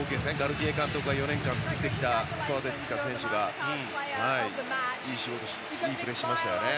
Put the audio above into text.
ガルティエ監督が４年間作ってきた育ててきた選手がいいプレーをしましたよね。